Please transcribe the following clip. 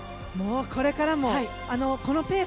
これからもこのペース